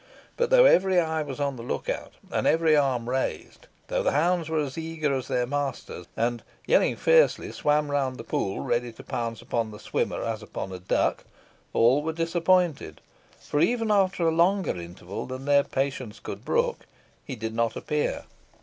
But though every eye was on the look out, and every arm raised; though the hounds were as eager as their masters, and yelling fiercely, swam round the pool, ready to pounce upon the swimmer as upon a duck, all were disappointed; for, even after a longer interval than their patience could brook, he did not appear.